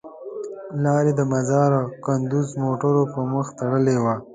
لار یې د مزار او کندوز موټرو پر مخ تړلې وه.